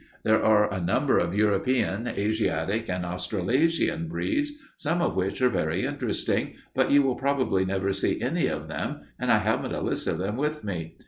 "There are a number of European, Asiatic, and Australasian breeds, some of which are very interesting, but you will probably never see any of them and I haven't a list of them with me.